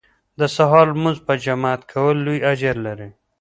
د سهار لمونځ په جماعت کول لوی اجر لري